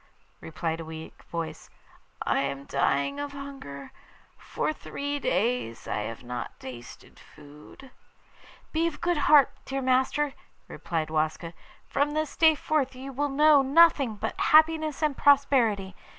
replied a weak voice. 'I am dying of hunger. For three days I have not tasted food.' 'Be of good heart, dear master,' replied Waska; 'from this day forth you will know nothing but happiness and prosperity.